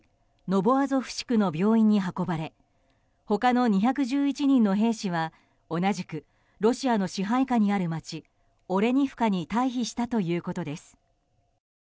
ノボアゾフシクの病院に運ばれ他の２１１人の兵士は同じくロシアの支配下にある街オレニフカに退避したということです。